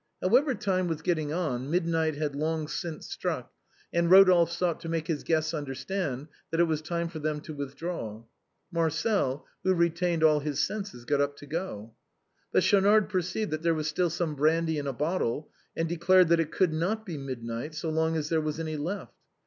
However time was getting on, midnight had long since struck, and Rodolphe sought to make his guests understand that it was time for them to withdraw. Marcel, who re tained all his senses, got up to go. But Schaunard perceived that there was still some brandy in a bottle, and declared that it could not be mid night so long as there was any left.